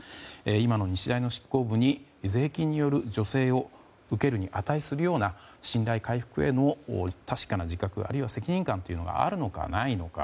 今の日大の執行部に税金による助成を受けるに値するような信頼回復への確かな自覚あるいは責任感というのがあるのか、ないのか。